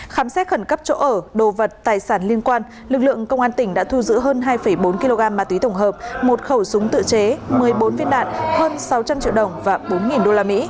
khám xét khẩn cấp chỗ ở đồ vật tài sản liên quan lực lượng công an tỉnh đã thu giữ hơn hai bốn kg ma túy tổng hợp một khẩu súng tự chế một mươi bốn viên đạn hơn sáu trăm linh triệu đồng và bốn usd